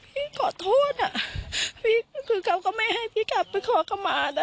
พี่ขอโทษอ่ะพี่คือเขาก็ไม่ให้พี่กลับไปขอเข้ามานะ